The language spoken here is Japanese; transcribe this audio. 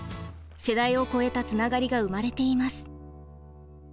世代を超えたつながりが生まれています。